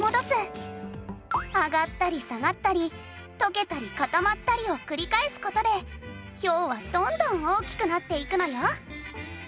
上がったり下がったり溶けたり固まったりを繰り返す事でひょうはどんどん大きくなっていくのよ。